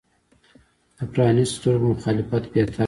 د پرانیستو سترګو مخالفت بهتر دی.